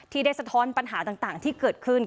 ที่ได้สะท้อนปัญหาต่างที่เกิดขึ้น